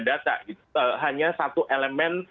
data hanya satu elemen